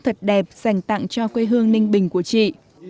thật đẹp dành tặng cho quê hương ninh bình của chị